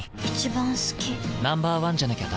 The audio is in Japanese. Ｎｏ．１じゃなきゃダメだ。